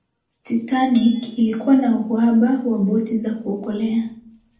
titanic ilikuwa na uhaba wa boti za kuokolea